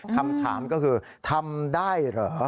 คำถามก็คือทำได้เหรอ